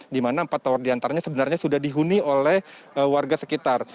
di mana empat tower diantaranya sebenarnya sudah dihuni oleh warga sekitar